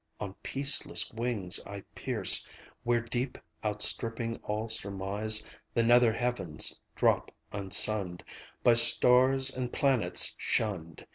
On peaceless wings I pierce, where deep outstripping all surmise, The nether heavens drop unsunned, By stars and planets shunned.